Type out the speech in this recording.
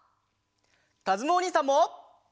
かずむおにいさんも。